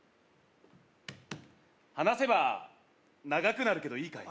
話せば長くなるけどいいかい？